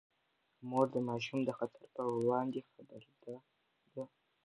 مور د ماشوم د خطر پر وړاندې خبرده ده.